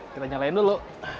kita nyalain dulu